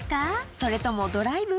それともドライブ？